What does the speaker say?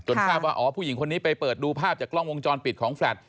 ทราบว่าอ๋อผู้หญิงคนนี้ไปเปิดดูภาพจากกล้องวงจรปิดของแฟลต